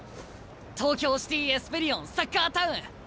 東京シティ・エスペリオンサッカータウン。